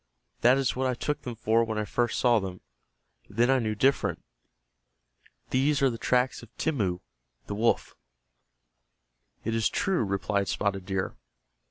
"That is what I took them for when I first saw them. Then I knew different. These are the tracks of Timmeu, the wolf." "It is true," replied Spotted Deer.